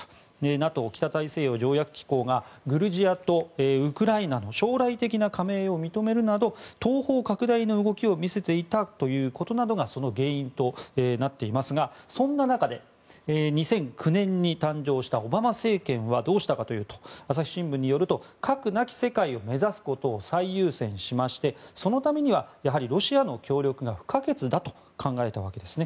ＮＡＴＯ・北大西洋条約機構がグルジアとウクライナの将来的な加盟を認めるなど、東方拡大の動きを見せていたことなどがその原因となっていますがそんな中で２００９年に誕生したオバマ政権はどうしたかというと朝日新聞によると核なき世界を目指すことを最優先しましてそのためにはロシアの協力が不可欠だと考えたわけです。